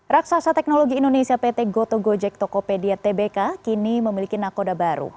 raksasa teknologi indonesia pt goto gojek tokopedia tbk kini memiliki nakoda baru